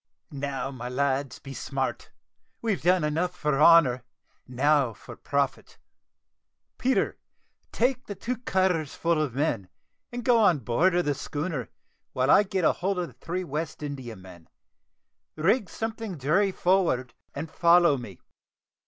"Now, my lads, be smart; we've done enough for honour, now for profit. Peter, take the two cutters full of men, and go on board of the schooner, while I get hold of the three West Indiamen. Rig something jury forward, and follow me."